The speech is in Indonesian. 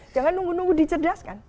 jangan nunggu nunggu dicerdas kan